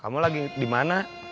kamu lagi dimana